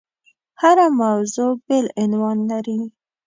هره موضوع بېل عنوان لري.